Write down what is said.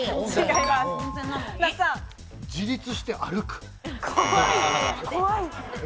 自立して歩く。